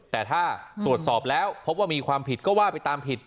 แต่ถ้าตรวจสอบแล้วพบว่ามีความผิดก็ว่าไปตามผิด